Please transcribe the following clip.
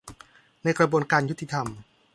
ในกระบวนการยุติธรรม